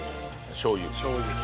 しょう油。